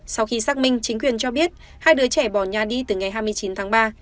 sau khi xác minh chính quyền cho biết hai đứa trẻ bỏ nhà đi từ ngày hai mươi chín tháng ba